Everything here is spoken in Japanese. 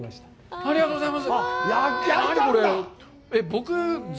ありがとうございます。